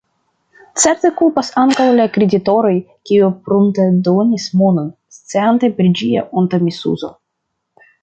Certe kulpas ankaŭ la kreditoroj, kiuj pruntedonis monon, sciante pri ĝia onta misuzo.